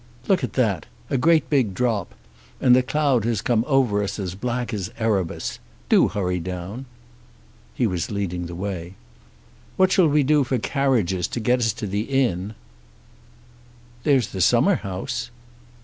Look at that. A great big drop and the cloud has come over us as black as Erebus. Do hurry down." He was leading the way. "What shall we do for carriages to get us to the inn?" "There's the summer house."